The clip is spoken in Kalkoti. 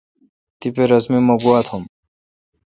تیپہ رس می مہ گوا تھم۔